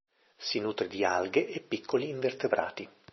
Si nutre di alghe e piccoli invertebrati.